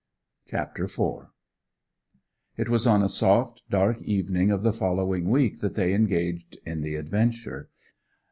CHAPTER IV It was on a soft, dark evening of the following week that they engaged in the adventure.